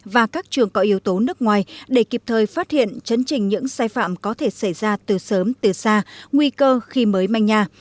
và các trường có yếu tố nước ngoài để kịp thời phát hiện chấn trình những sai phạm có thể xảy ra từ sớm từ xa nguy cơ khi mới manh nhà